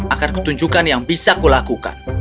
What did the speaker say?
akanku tunjukkan yang bisa kulakukan